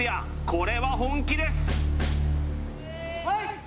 これは本気ですプレー！